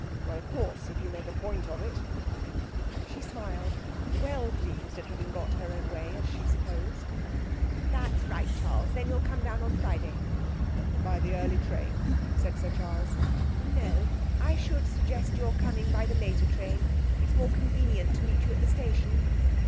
'Well, of course, if you make a point of it ' She smiled, well pleased at having got her own way, as she supposed. 'That's right, Charles. Then you'll come down on Friday.' 'By the early train,' said Sir Charles. 'No, I should suggest your coming by the later train. It's more convenient to meet you at the station.'